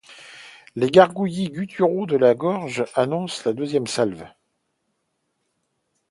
Les gargouillis gutturaux de sa gorge annoncent la deuxième salve.